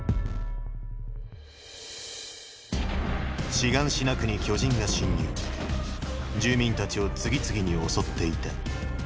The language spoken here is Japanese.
シガンシナ区に巨人が侵入住民たちを次々に襲っていた。